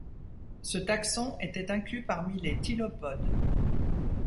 Ce taxon était inclus parmi les Tylopodes.